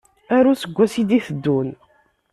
Ar useggas i d-iteddun.